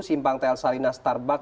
simpang tl sarinah starbuck